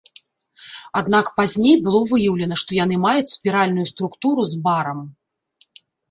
Аднак пазней было выяўлена, што яны маюць спіральную структуру з барам.